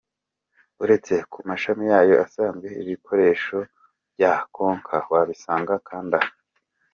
Uretse ku mashami yayo asanzwe, ibikoresho bya Konka wabisanga kandi aha.